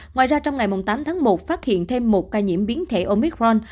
ngoài ra trong ngày tám tháng một phát hiện thêm một ca nhiễm biến thể omicron